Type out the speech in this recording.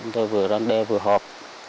chúng tôi vừa răn đe vừa hợp